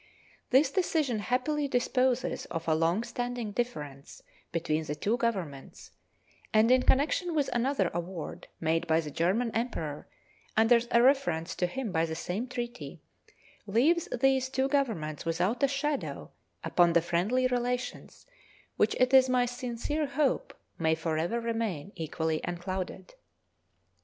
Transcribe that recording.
This decision happily disposes of a long standing difference between the two Governments, and, in connection with another award, made by the German Emperor under a reference to him by the same treaty, leaves these two Governments without a shadow upon the friendly relations which it is my sincere hope may forever remain equally unclouded.